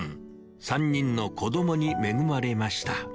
３人の子どもに恵まれました。